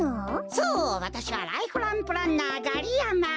そうわたしはライフランプランナーガリヤマ。